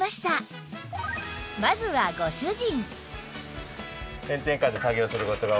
まずはご主人